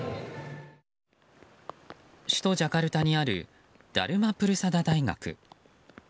首都ジャカルタにあるダルマ・プルサダ大学。